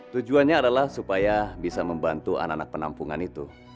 tujuannya adalah supaya bisa membantu anak anak penampungan itu